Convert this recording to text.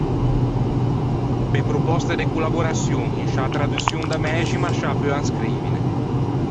Pe propòste de collaboraçion in sciâ traduçion da mæxima sciâ peuan scrivine.